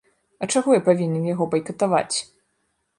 А чаго я павінен яго байкатаваць?!